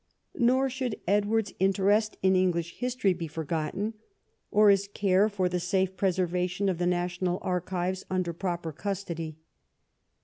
Nor should Edward's interest in English history be forgotten, or his care for the safe preservation of the national archives under proper custody.